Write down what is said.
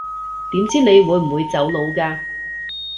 點知你會唔會走佬㗎